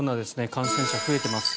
感染者が増えています。